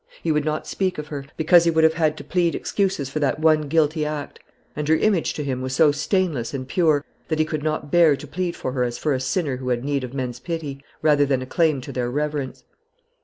He would not speak of her, because he would have had to plead excuses for that one guilty act; and her image to him was so stainless and pure, that he could not bear to plead for her as for a sinner who had need of men's pity, rather than a claim to their reverence.